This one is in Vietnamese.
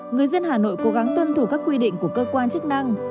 người dân hà nội cố gắng tuân thủ các quy định của cơ quan chức năng